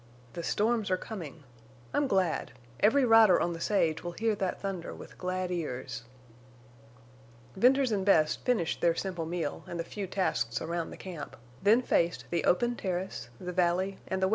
The storms are coming. I'm glad. Every rider on the sage will hear that thunder with glad ears." Venters and Bess finished their simple meal and the few tasks around the camp, then faced the open terrace, the valley, and the west, to watch and await the approaching storm.